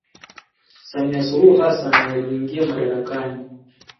Samia suluhu Hasasn aliingia madarakani